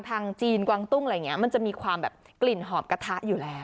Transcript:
ทางจีนกวางตุ้งอะไรอย่างนี้มันจะมีความแบบกลิ่นหอมกระทะอยู่แล้ว